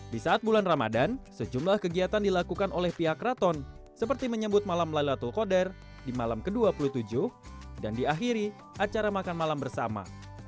di saat bulan ramadan sejumlah kegiatan dilakukan oleh pihak keraton seperti menyebut malam laylatul qadar di malam ke dua puluh tujuh dan diakhiri acara makan malam bersama